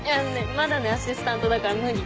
まだねアシスタントだから無理。